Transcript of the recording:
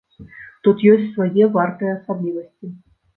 Тут ёсць свае вартыя асаблівасці.